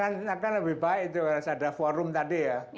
akan lebih baik kalau ada forum tadi ya